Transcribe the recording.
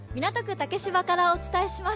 竹芝からお伝えします。